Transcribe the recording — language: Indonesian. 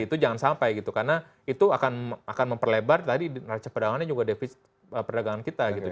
itu jangan sampai gitu karena itu akan memperlebar tadi neraca perdagangannya juga defisit perdagangan kita gitu